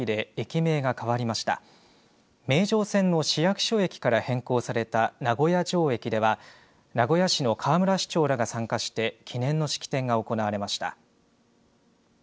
名城線の市役所駅から変更された名古屋城駅では名古屋市の河村市長らが参加して記念の式典が行われました。